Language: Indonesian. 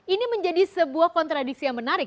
ini menjadi sebuah kontradiksi yang menarik